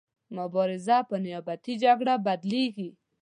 مبارزه په نیابتي جګړه بدلیږي.